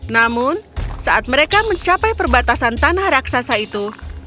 namun saat mereka mencapai perbatasan tanah raksasa itu